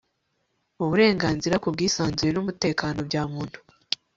Uburenganzira ku bwisanzure n umutekano bya Muntu